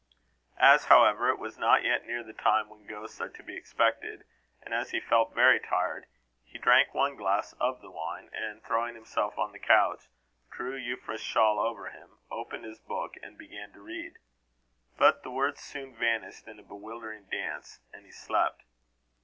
As, however, it was not yet near the time when ghosts are to be expected, and as he felt very tired, he drank one glass of the wine, and throwing himself on the couch, drew Euphra's shawl over him, opened his book, and began to read. But the words soon vanished in a bewildering dance, and he slept.